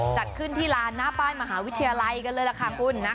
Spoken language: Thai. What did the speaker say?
จัดขึ้นที่ลานหน้าป้ายมหาวิทยาลัยกันเลยล่ะค่ะคุณ